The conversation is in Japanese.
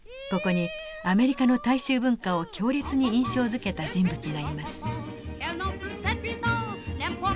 ここにアメリカの大衆文化を強烈に印象づけた人物がいます。